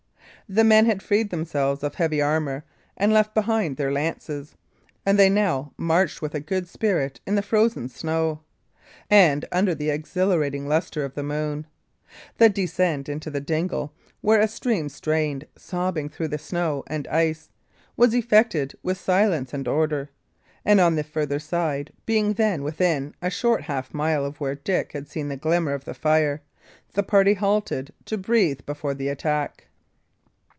The men had freed themselves of heavy armour, and left behind their lances; and they now marched with a very good spirit in the frozen snow, and under the exhilarating lustre of the moon. The descent into the dingle, where a stream strained sobbing through the snow and ice, was effected with silence and order; and on the further side, being then within a short half mile of where Dick had seen the glimmer of the fire, the party halted to breathe before the attack.